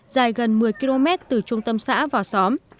dài gần một mươi km từ trung tâm xã vào xóm